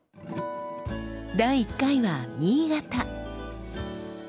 第１回は新潟。